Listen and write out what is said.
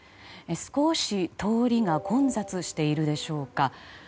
少し、通りが混雑しているでしょうか。